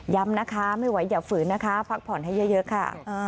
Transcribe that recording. นะคะไม่ไหวอย่าฝืนนะคะพักผ่อนให้เยอะค่ะ